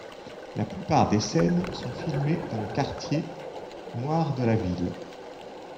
La plupart des scènes sont filmées dans le quartier noir de la ville.